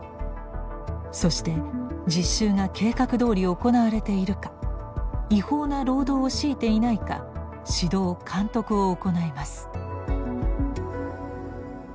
そして実習が計画どおり行われているか違法な労働を強いていないか指導監督を行います。